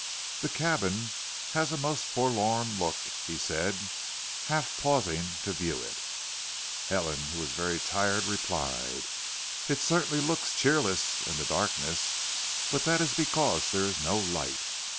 "The cabin has a most forlorn look," he said, half pausing to view it. Helen, who was very tired, replied, "It certainly looks cheerless in the darkness, but that is because there is no light.